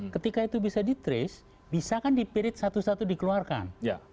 ketika itu bisa di trace bisa kan dipirit satu satu dikeluarkan